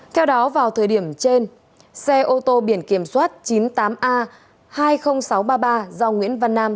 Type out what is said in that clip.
theo đó vào thời điểm trên xe ô tô biển kiểm soát chín mươi tám a hai mươi nghìn sáu trăm ba mươi ba do nguyễn văn nam